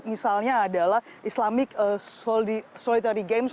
misalnya adalah islamic solitary games